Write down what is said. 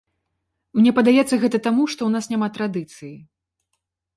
Мне падаецца гэта таму, што ў нас няма традыцыі.